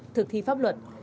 thực thi pháp luật